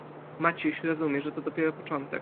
"Maciuś rozumie, że to dopiero początek."